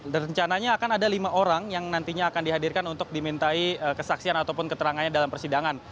dan rencananya akan ada lima orang yang nantinya akan dihadirkan untuk dimintai kesaksian ataupun keterangannya dalam persidangan